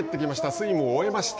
スイムを終えました。